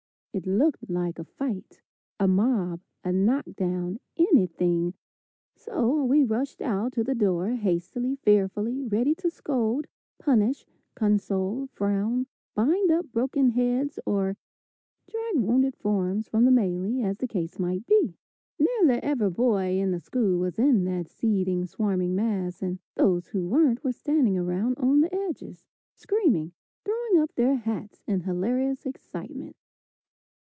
It looked like a fight, a mob, a knock down, anything, so we rushed out to the door hastily, fearfully, ready to scold, punish, console, frown, bind up broken heads or drag wounded forms from the melee as the case might be. Nearly every boy in the school was in that seething, swarming mass, and those who weren't were standing around on the edges, screaming and throwing up their hats in hilarious excitement.